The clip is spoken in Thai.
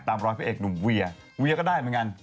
ตามรอยพะเอกหนุ่มเวียเวียก็ได้ไหมกัน